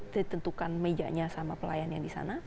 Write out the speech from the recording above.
ditentukan mejanya sama pelayan yang di sana